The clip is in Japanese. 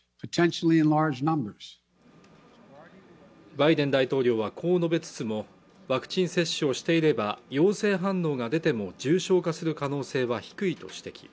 バイデン大統領はこう述べつつもワクチン接種をしていれば陽性反応が出ても重症化する可能性は低いと指摘